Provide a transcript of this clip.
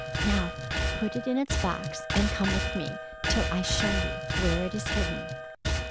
Now, put it in its box, and come with me till I show you where it is hidden.